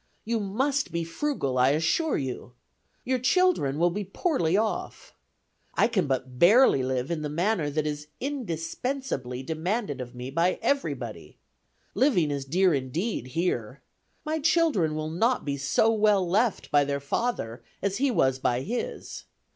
You must be frugal, I assure you. Your children will be poorly off. I can but barely live in the manner that is indispensably demanded of me by everybody. Living is dear indeed here. My children will not be so well left by their father as he was by his.